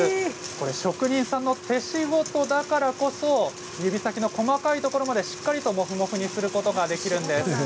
職人さんの手仕事だからこそ指先の細かいところまでしっかりともふもふにすることができるんです。